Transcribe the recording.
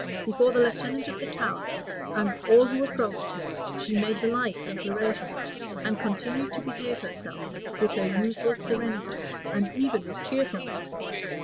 Before the lieutenant of the Tower, and all who approached her, she made the like declarations; and continued to behave herself with her usual serenity, and even with cheerfulness.